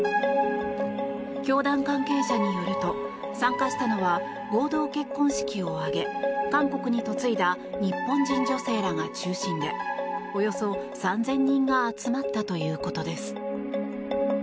教団関係者によると参加したのは合同結婚式を挙げ、韓国に嫁いだ日本人女性らが中心でおよそ３０００人が集まったということです。